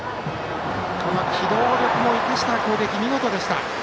この機動力も生かした攻撃見事でした。